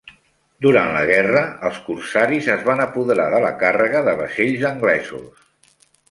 Durant la guerra, els corsaris es van apoderar de la càrrega de vaixells anglesos.